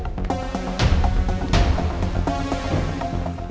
tidak mungkin ada kesalahan